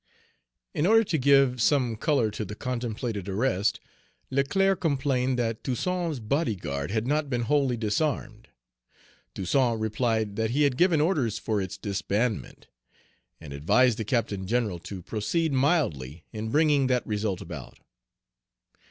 In order to give some color to the contemplated arrest, Leclerc complained that Toussaint's body guard had not been wholly disarmed. Toussaint replied that he had given orders for its disbandment, and advised the Captain General to proceed mildly in bringing that result about.